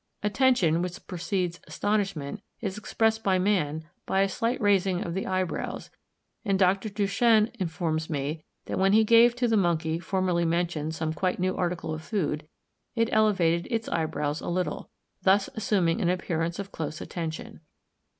Attention, which precedes astonishment, is expressed by man by a slight raising of the eyebrows; and Dr. Duchenne informs me that when he gave to the monkey formerly mentioned some quite new article of food, it elevated its eyebrows a little, thus assuming an appearance of close attention.